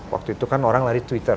waktu itu kan orang lari twitter